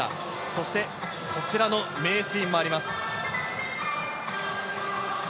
そして、こちらの名シーンもあります。